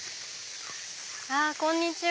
こんにちは。